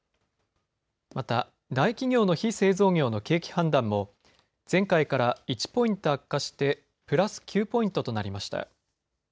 また大企業の非製造業の景気判断も前回から１ポイント悪化してプラス９ポイントとなりました。